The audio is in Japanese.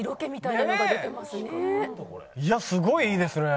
いやすごいいいですね。